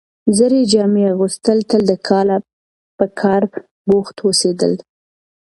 زړې جامې اغوستل تل د کاله په کار بوخت هوسېدل،